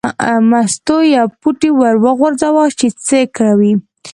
مستو یو پوټی ور وغورځاوه چې څه کوي.